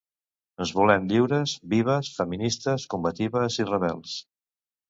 Ens volem lliures, vives, feministes, combatives i rebels!